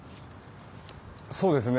そうですね。